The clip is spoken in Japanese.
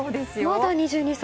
まだ２２歳？